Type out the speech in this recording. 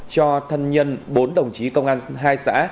cho thân nhân bốn đồng chí công an hai xã